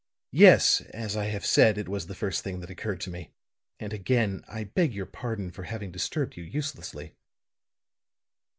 "Yes. As I have said, it was the first thing that occurred to me. And again I beg your pardon for having disturbed you uselessly."